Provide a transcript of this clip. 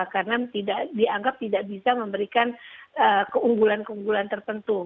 karena dianggap tidak bisa memberikan keunggulan keunggulan tertentu